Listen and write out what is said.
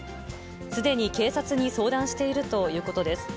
すでに警察に相談しているということです。